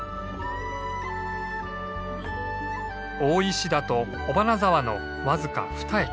大石田と尾花沢の僅かふた駅。